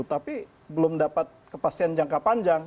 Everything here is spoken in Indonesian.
tapi belum dapat kepastian jangka panjang